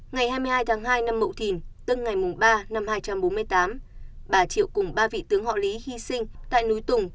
ngày hai mươi hai tháng hai năm mậu thìn tức ngày ba năm hai trăm bốn mươi tám bà triệu cùng ba vị tướng họ lý hy sinh tại núi tùng